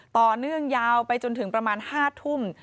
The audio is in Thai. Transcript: ต่อเนื่องยาวไปจนถึงประมาณ๕ทุ่ม